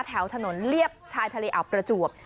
แถวถนนเลียบชายทะเลอาวประจวบ